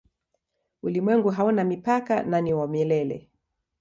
Ulimwengu hauna mipaka na ni wa milele.